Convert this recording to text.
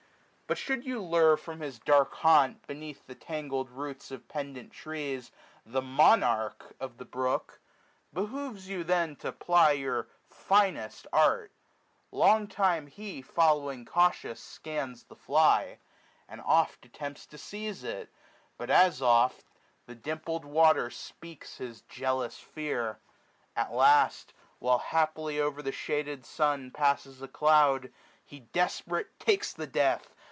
But should you lure From his dark haunt, beneath the tangled roots 420 Of pendant trees, the monarch of the brook. Behoves you then to ply your finest art. Long time he, following cautious, scans the fly ; iWid oft attempts to seize it, but as oft Th^ dimpled water speaks his jealous fear. 425 At last, while haply o*er the shaded sun Passes a cloud, he desperate takes the death.